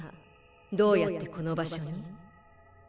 どうやってこの場所に？